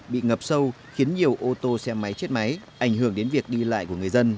bị ngập sâu khiến nhiều ô tô xe máy chết máy ảnh hưởng đến việc đi lại của người dân